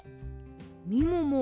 みもも